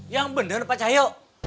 yang bener pak cahyo